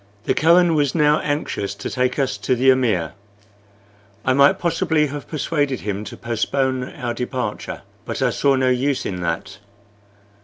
The Kohen was now anxious to take us to the amir. I might possibly have persuaded him to postpone our departure, but I saw no use in that.